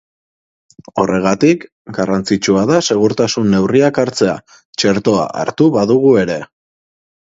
Horregatik, garrantzitsua da segurtasun neurriak hartzea, txertoa hartu badugu ere.